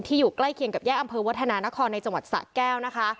อยู่ใกล้เคียงกับแยกอำเภอวัฒนานครในจังหวัดสะแก้วนะคะ